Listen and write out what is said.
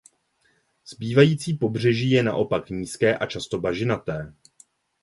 Zbývající pobřeží je naopak nízké a často bažinaté.